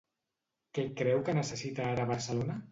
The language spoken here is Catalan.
Què creu que necessita ara Barcelona?